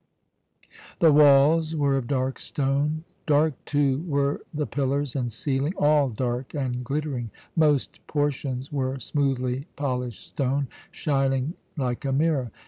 The walls were of dark stone dark, too, were the pillars and ceiling all dark and glittering; most portions were smoothly polished stone, shining like a mirror.